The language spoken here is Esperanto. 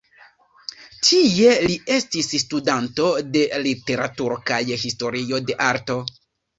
Tie li estis studanto de literaturo kaj historio de arto.